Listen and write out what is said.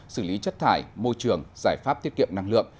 xử lý chất thải môi trường giải pháp tiết kiệm năng lượng